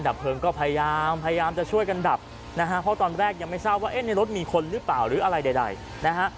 ดับเพลิงก็พยายามพยายามจะช่วยกันดับนะฮะเพราะตอนแรกยังไม่ทราบว่าเอ๊ะในรถมีคนหรือเปล่าหรืออะไรใดนะฮะ